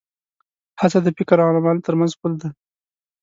هڅه د فکر او عمل تر منځ پُل دی.